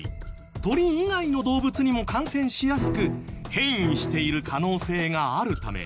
鳥以外の動物にも感染しやすく変異している可能性があるため。